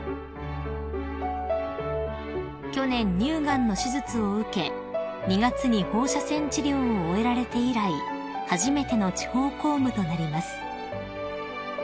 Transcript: ［去年乳がんの手術を受け２月に放射線治療を終えられて以来初めての地方公務となります］